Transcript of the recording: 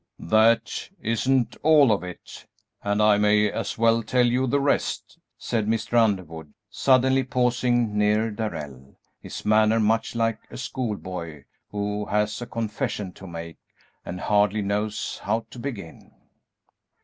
"That isn't all of it, and I may as well tell you the rest," said Mr. Underwood, suddenly pausing near Darrell, his manner much like a school boy who has a confession to make and hardly knows how to begin.